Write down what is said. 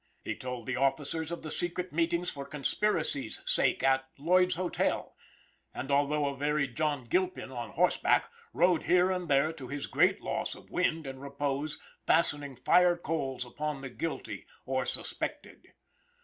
He told the officers of the secret meetings for conspiracy's, sake at Lloyd's Hotel, and although a very John Gilpin on horseback, rode here and there to his great loss of wind and repose, fastening fire coals upon the guilty or suspected.